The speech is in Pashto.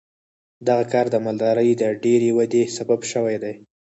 دغه کار د مالدارۍ د ډېرې ودې سبب شوی دی.